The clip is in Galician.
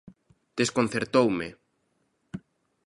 Desconcertoume.